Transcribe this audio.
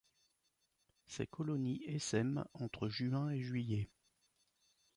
Ces colonies essaiment entre juin et juillet.